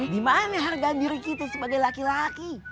di mana harga diri kita sebagai laki laki